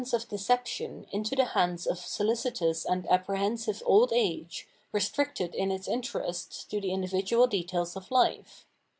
767 The Spiritual Worh of Art of deception into tlie hands of solicitous and apprehen sive old age, restricted in its interests to the individual details of life.